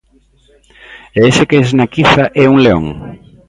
E ese que esnaquiza é un león?